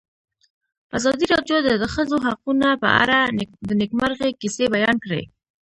ازادي راډیو د د ښځو حقونه په اړه د نېکمرغۍ کیسې بیان کړې.